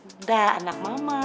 udah anak mama